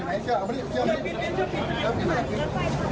มารับทราบนี้อย่ามานี่